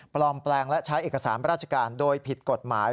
ปลอมแปลงและใช้เอกสารราชการโดยผิดกฎหมาย